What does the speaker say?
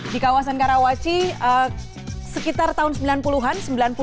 di kawasan karawaci sekitar tahun sembilan puluh an sembilan puluh an